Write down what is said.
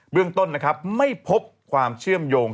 เบื้องต้นไม่พบความเชื่อมโยง